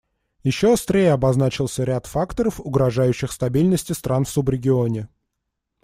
Еще острее обозначился ряд факторов, угрожающих стабильности стран в субрегионе.